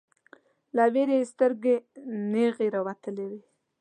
له ویرې یې سترګې نیغې راوتلې وې